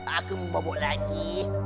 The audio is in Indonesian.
aku membobok lagi